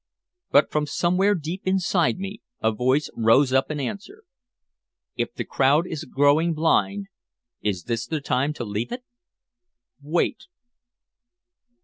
But from somewhere deep inside me a voice rose up in answer: "If the crowd is growing blind is this the time to leave it? Wait."